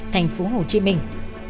thành phố hồ chí minh